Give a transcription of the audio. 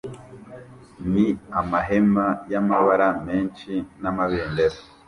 ni amahema y'amabara menshi n'amabendera